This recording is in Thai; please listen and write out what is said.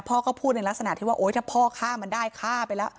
พ่อก็พูดในลักษณะที่ว่าโอ๊ยถ้าพ่อฆ่ามันได้ฆ่าไปแล้ว